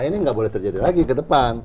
ini nggak boleh terjadi lagi ke depan